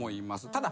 ただ。